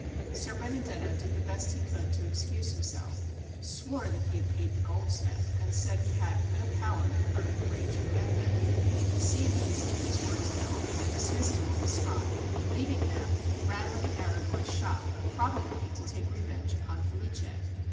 Ser Benedetto did the best he could to excuse himself, swore that he had paid the goldsmith, and said he had no power to curb the rage of madmen. The Sienese took his words ill, and dismissed him on the spot. Leaving them, he ran like an arrow to my shop, probably to take revenge upon Felice.